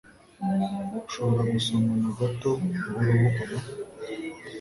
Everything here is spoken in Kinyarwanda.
Ushobora gusomana gato buhoro buhoro?